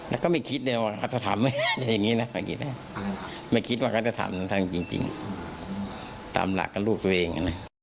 แล้วก็ไม่คิดเลยว่าคัตธรรมไม่คิดว่าคัตธรรมจริงตามหลักกับลูกตัวเอง